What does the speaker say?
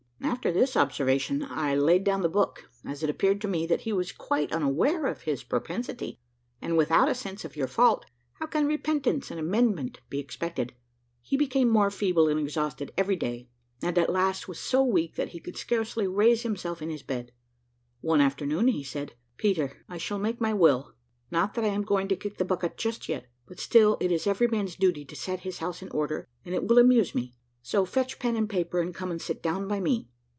'" After this observation I laid down the book, as it appeared to me that he was quite unaware of his propensity; and without a sense of your fault, how can repentance and amendment be expected? He became more feeble and exhausted every day, and at last was so weak that he could scarcely raise himself in his bed. One afternoon he said, "Peter, I shall make my will, not that I am going to kick the bucket just yet; but still it is every man's duty to set his house in order, and it will amuse me: so fetch pen and paper, and come and sit down by me."